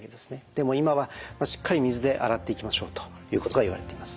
でも今はしっかり水で洗っていきましょうということがいわれています。